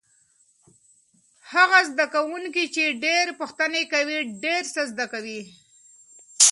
هغه زده کوونکی چې ډېرې پوښتنې کوي ډېر څه زده کوي.